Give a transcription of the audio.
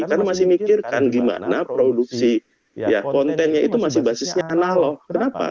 karena masih mikirkan bagaimana produksi kontennya itu masih basisnya analog kenapa